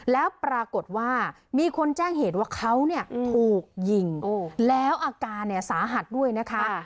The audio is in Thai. แล้วปรากฏว่ามีคนแจ้งเหตุว่าเขาเนี่ยถูกยิงแล้วอาการเนี่ยสาหัสด้วยนะคะ